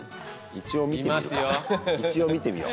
一応見てみよう。